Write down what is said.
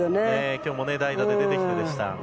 今日も代打で出てきました。